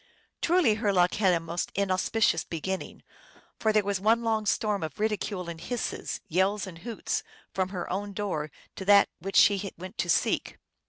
Truly her luck had a most inauspicious beginning, for there was one long storm of ridicule and hisses, yells and hoots, from her own door to that which she went to seek.